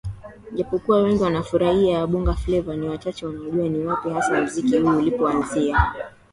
Japokuwa wengi wanaifurahia Bongo Fleva ni wachache wanaojua ni wapi hasa muziki huu ulipoanzia